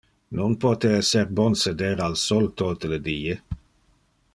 Non pote esser bon seder al sol tote le die.